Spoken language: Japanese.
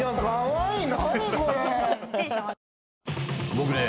僕ね